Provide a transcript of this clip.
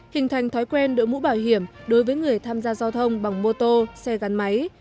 hình thành thói quen đội mũ bảo hiểm đối với người tham gia giao thông bằng mô tô xe gắn máy